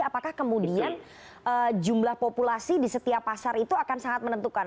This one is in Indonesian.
apakah kemudian jumlah populasi di setiap pasar itu akan sangat menentukan